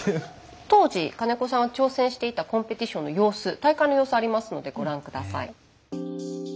当時金子さんが挑戦していたコンペティションの様子大会の様子ありますのでご覧下さい。